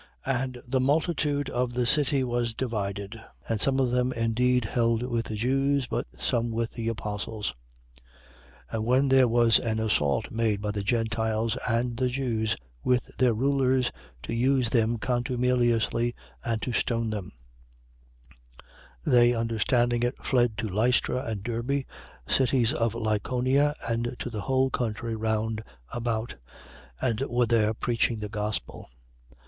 14:4. And the multitude of the city was divided. And some of them indeed held with the Jews, but some with the apostles. 14:5. And when there was an assault made by the Gentiles and the Jews with their rulers, to use them contumeliously and to stone them: 14:6. They, understanding it, fled to Lystra and Derbe, cities of Lycaonia, and to the whole country round about: and were there preaching the gospel.